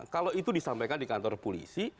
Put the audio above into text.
kalau itu disampaikan di kantor polisi